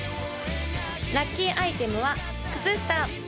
ラッキーアイテムは靴下